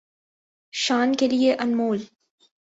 شان کے لئے انمول